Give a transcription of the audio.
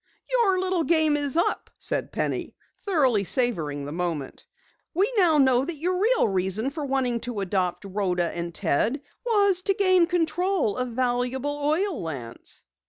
"Your little game is up," said Penny, thoroughly savoring the moment. "We know now that your real reason for wanting to adopt Rhoda and Ted was to gain control of valuable oil lands!"